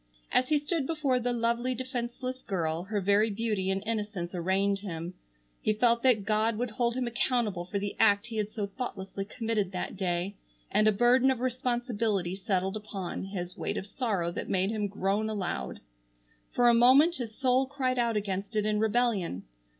As he stood before the lovely, defenceless girl her very beauty and innocence arraigned him. He felt that God would hold him accountable for the act he had so thoughtlessly committed that day, and a burden of responsibility settled upon his weight of sorrow that made him groan aloud. For a moment his soul cried out against it in rebellion.